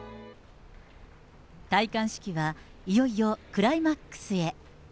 戴冠式はいよいよクライマックスへ。